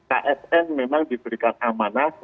asn memang diberikan amanah